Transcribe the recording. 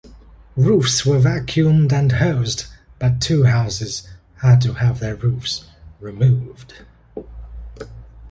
Roofs were vacuumed and hosed, but two houses had to have their roofs removed.